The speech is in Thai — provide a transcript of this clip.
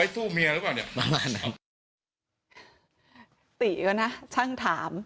ตีห่ะนะช่างถาม